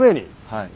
はい。